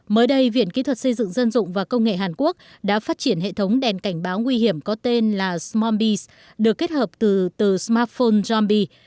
mới đây viện kỹ thuật xây dựng dân dụng và công nghệ hàn quốc đã phát triển hệ thống đèn cảnh báo nguy hiểm có tên là smarmbis được kết hợp từ smartphone jongbi